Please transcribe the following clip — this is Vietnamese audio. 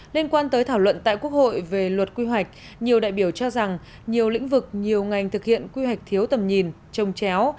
liên quan tới thảo luận tại quốc hội về luật quy hoạch nhiều đại biểu cho rằng nhiều lĩnh vực nhiều ngành thực hiện quy hoạch thiếu tầm nhìn trông chéo